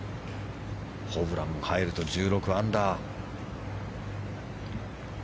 ホブラン入ると１６アンダー。